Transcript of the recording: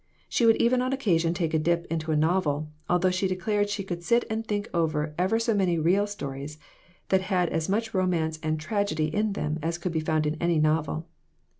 She would even on occasion take a dip into a novel, although she declared she could sit and think over ever so many real stories, that had as much romance and tragedy in them as could be found in any novel.